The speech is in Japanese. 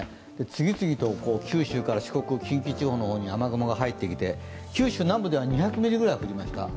次々と九州から四国、近畿地方の方に雨雲がついてきて九州南部では２００ミリくらい降りました。